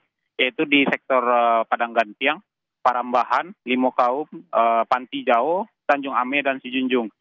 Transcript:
yaitu di sektor padang gantian parambahan limau kaum panti jauh tanjung ame dan si junjung